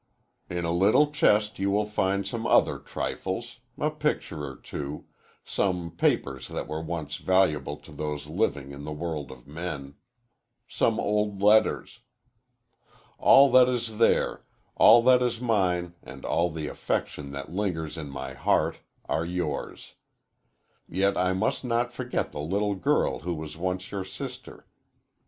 In a little chest you will find some other trifles a picture or two, some papers that were once valuable to those living in the world of men, some old letters. All that is there, all that is mine and all the affection that lingers in my heart, are yours. Yet I must not forget the little girl who was once your sister.